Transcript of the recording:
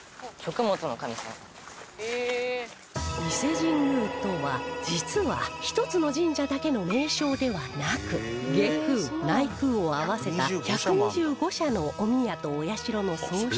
伊勢神宮とは実は１つの神社だけの名称ではなく外宮内宮を合わせた１２５社のお宮とお社の総称で